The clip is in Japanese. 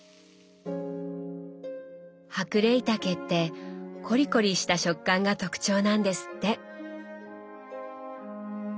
ハクレイタケってコリコリした食感が特徴なんですって。